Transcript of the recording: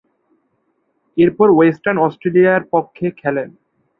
এরপর ওয়েস্টার্ন অস্ট্রেলিয়ার পক্ষে খেলেন।